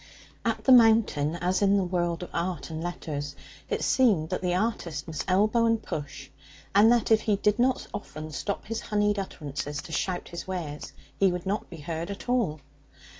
At the mountain, as in the world of art and letters, it seemed that the artist must elbow and push, and that if he did not often stop his honeyed utterances to shout his wares he would not be heard at all.